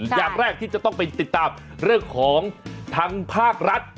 อย่างแรกที่จะต้องไปติดตามเรื่องของทางภาครัฐ